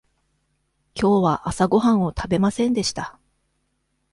きょうは朝ごはんを食べませんでした。